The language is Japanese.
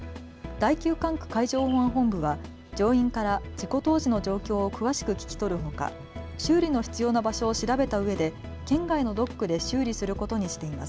第９管区海上保安本部は乗員から事故当時の状況を詳しく聞き取るほか修理の必要な場所を調べたうえで県外のドックで修理することにしています。